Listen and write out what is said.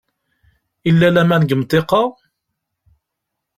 Yella laman deg umḍiq-a?